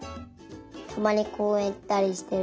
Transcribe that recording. たまにこうえんいったりしてる。